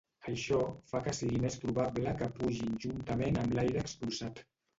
Això fa que sigui més probable que pugin juntament amb l'aire expulsat.